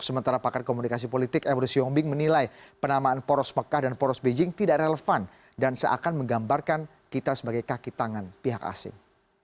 sementara pakar komunikasi politik emrus yombing menilai penamaan poros mekah dan poros beijing tidak relevan dan seakan menggambarkan kita sebagai kaki tangan pihak asing